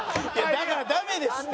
だからダメですって。